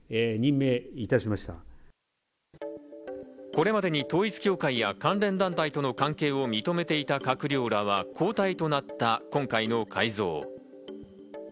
これまでに統一教会や関連団体との関係を認めていた閣僚らは交代となった今回の改造。